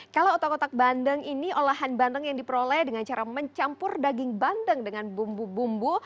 kalau otak otak bandeng ini olahan bandeng yang diperoleh dengan cara mencampur daging bandeng dengan bumbu bumbu